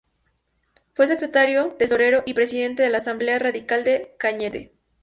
Fue secretario, tesorero y presidente de la Asamblea Radical de Cañete.